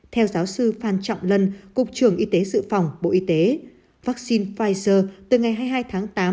theo giáo sư phan trọng lân cục trưởng y tế dự phòng bộ y tế vaccine pfizer từ ngày hai mươi hai tháng tám